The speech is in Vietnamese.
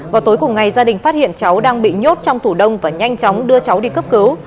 vào tối cùng ngày gia đình phát hiện cháu đang bị nhốt trong tủ đông và nhanh chóng đưa cháu đi cấp cứu